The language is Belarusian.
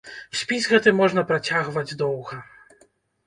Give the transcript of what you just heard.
Спіс гэты можна працягваць доўга.